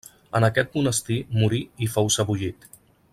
En aquest monestir morí i fou sebollit.